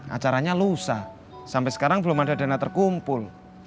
acaranya lusa sampai sekarang belum ada dana terkumpul